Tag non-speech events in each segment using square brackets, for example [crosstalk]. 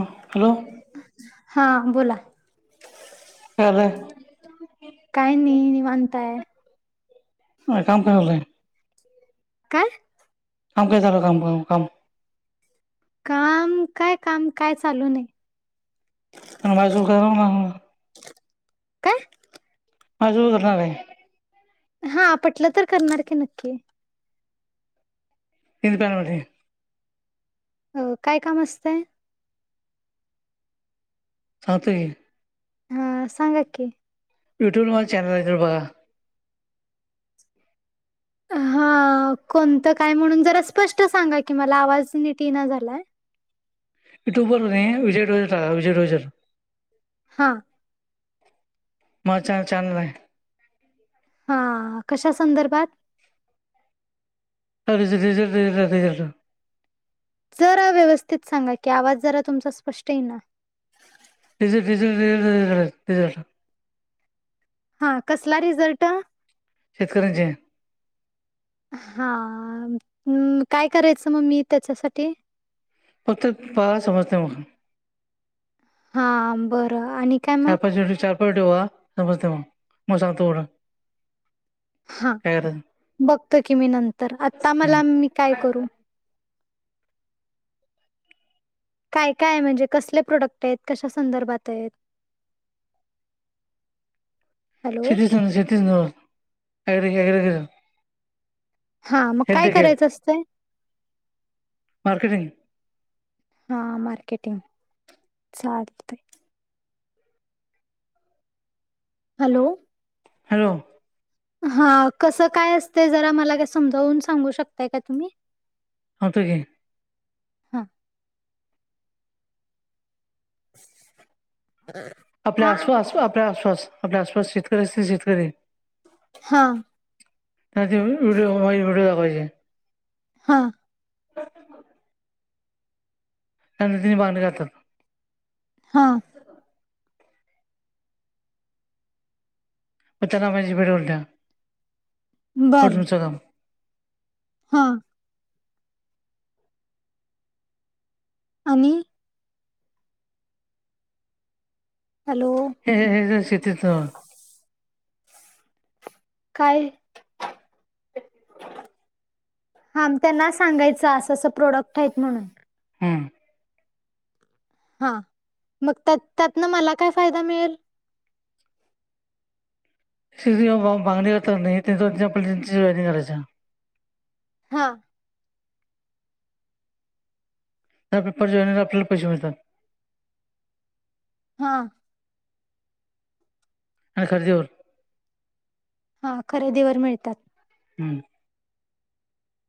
Hello हा बोला काय झालंय काय नाही निवांताय आ थांब थांब बाहेर काय? काम काय झालं काम काम काम काम काय काम काय चालू नाही आणि म अजून काय म काय? माजो करणार हा पटलं तर करणार की नक्की [unintelligible] अ काय काम असतय? सांगतो की हा सांगा की युट्यूब मला चॅनल आहेे तर बघ [inaudible] हा कोणतं काय म्हणून जरा स्पष्ट सांगा कि मला आवाज निटी ईना झालाय. यूट्यूबवर नाय विजय रोजर टाका विजय रोजर हा. माचा चानलाय हा कशा संदर्भात [unintelligible] जरा व्यवस्थित सांगा की आवाज जरा तुमचा स्पष्ट येईना [unintelligible] हा कसला रिझल्ट शेतकऱ्यांचे हा काय करायचं मग मी त्याच्यासाठी फक्त पा समजत मग हा बरं आणि काय मग फळ ठेवा समजत मग म सांगतो. हा काय करायचं बघतो की मी नंतर आता मला मी काय करू [inaudible] काय काय म्हणजे कसले प्रोडक्ट आहेत कशा संदर्भात आहेत. [inaudible] हॅलो [unintelligible] हा मग हेल्थ काय केअर करायचं असतय मार्केटिंग हा मार्केटिंग चालतय हॅलो हॅलो हा कसं काय असतय जरा मला काय समजावून सांगू शकताय का तुम्ही होतो कि हा [inaudible] आपल्या हा आस पास आपल्या आस पास आपल्या आसपास शेतकरी असतील शेतकरी हा [unintelligible] विडिओ दाखवायचे. हा. [inaudible] त्यांतर तिने बांगणी खातात. [unintelligible] हा. म त्यांना माझ पेड बर [unintelligible] काम. हा. आणि हॅलो ह शेतीच. काय? हा त्यांना सांगायच असंं प्रोडक्ट हाईत म्हणून हमम. हा मग त्यातन मला काय फायदा मिळेल? बांगली करत नाही त्याच्या पद्धतीने जॉईनिंग करायच्या. हा. त्या पेपर जॉईन आपल्याला पैसे मिळतात. हा. आणि खरेदीवर. हा खरेदीवर मिळतात.. हम्म.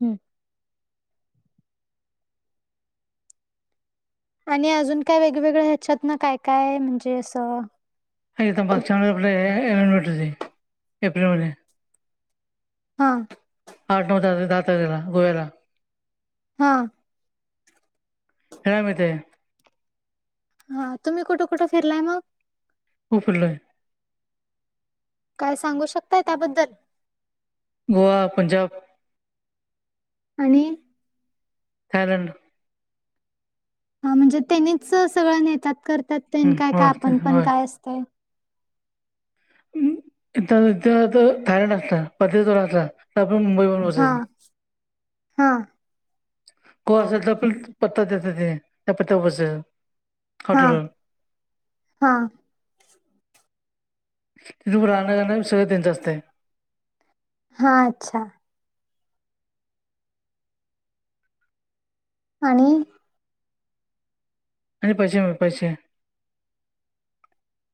हम्म. आणि अजून काय वेगवेेगळ्या ह्याच्यात ना काय काय म्हणजे असं? मागच्या महिन्यात आपलं [unintelligible] एप्रिलमध्ये. हा. आठ नऊ तारखे दहा तारखेला गोव्याला. हा. ह म ते [unintelligible] हा तुम्ही कुठं कुठं फिरलाय मग? खूप फिरोलोय. काय सांगू शकताय त्याबद्दल? गोवा, पंजाब - - आणि कारण? हा म्हणजे त्यांनीच सगळं नेतात करतात ते हं, काय काय होय ते आपण पण होय काय असतंय? तिथं [unintelligible] थायलंड असतं प असला तर आपण मुंबईवरून बसायचं. हा. को असेल तर पण पत्ता देत तेनी त्या पत्यावर बसायचं. हा हॉटेलवर हा. तिथं राहण्या खाणं सगळं त्यांच असतेय. हा अच्छा. आणि. आणि पैसे म पैसे.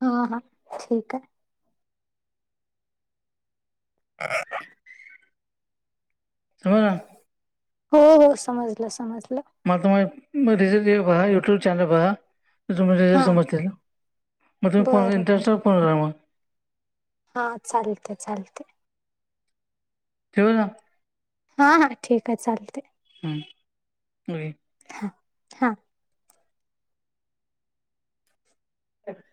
हा हा ठीक हाय. [inaudible] समजलं. हो हो समजलं समजलं. म तुम्हा [unintelligible] यूट्यूब चॅनल बघा. तुम्ही रिझल हां. समजतील मग तुम्ही इंटरवटवर फोन करा मग हा चालतेयं चालतेयं. ठेवू ना हा हा ठीक आहे चालतेयं. हम् होय. हा. अ [unintelligible]